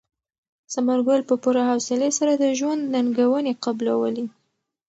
ثمر ګل په پوره حوصلې سره د ژوند ننګونې قبلولې.